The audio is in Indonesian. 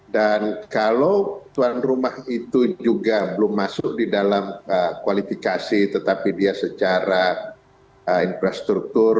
dan kalau tuan rumah itu juga belum masuk di dalam kualifikasi tetapi dia secara infrastruktur